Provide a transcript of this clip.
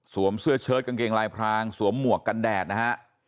เสื้อเชิดกางเกงลายพรางสวมหมวกกันแดดนะฮะ